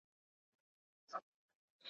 ښار ته څېرمه یې لار سیخه پر بیابان سوه !.